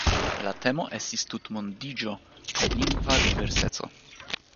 La temo estis "Tutmondiĝo kaj lingva diverseco.